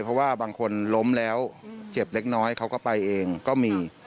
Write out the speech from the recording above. เพราะว่าบางคนล้มแล้วเจ็บเล็กน้อยเขาก็ไปเองก็มี